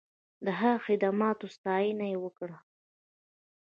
د هغه د خدماتو ستاینه یې وکړه.